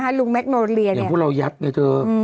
อย่างพวกเรายักษ์เนี่ยเธอ